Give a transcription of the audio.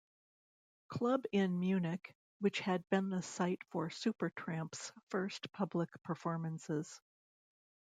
Club in Munich, which had been the site for Supertramp's first public performances.